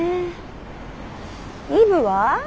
イブは？